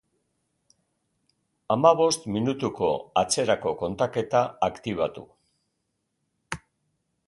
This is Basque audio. Hamabos minutuko atzerako kontaketa aktibatu.